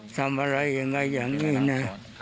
ทำอะไรยังไงอย่างนี้นะ